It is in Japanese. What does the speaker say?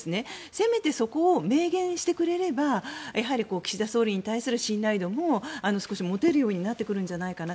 せめてそこを明言してくれれば岸田総理に対する信頼度も少し持てるようになってくるんじゃないかな。